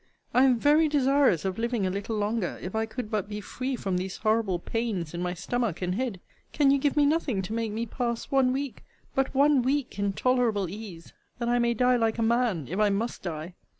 I am very desirous of living a little longer, if I could but be free from these horrible pains in my stomach and head. Can you give me nothing to make me pass one week but one week, in tolerable ease, that I may die like a man, if I must die!